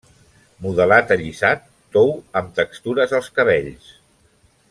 Modelat allisat, tou, amb textures als cabells.